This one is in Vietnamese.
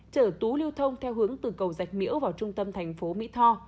chở tú lưu thông theo hướng từ cầu dạch miễu vào trung tâm thành phố mỹ tho